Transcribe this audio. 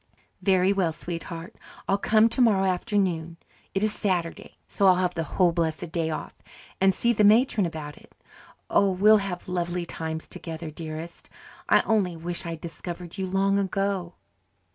"Very well, sweetheart. I'll come tomorrow afternoon it is Saturday, so I'll have the whole blessed day off and see the matron about it. Oh, we'll have lovely times together, dearest. I only wish I'd discovered you long ago."